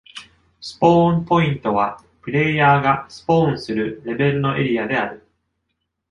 「スポーン・ポイント」は、プレイヤーがスポーンするレベルのエリアである。